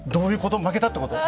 負けたっていうこと？